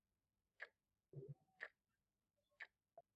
কিন্তু ফুটবল দেবতাই হয়তো চাইলেন, একটু স্বাতন্ত্র্য থাকুক দুই ত্রয়ীর মধ্যে।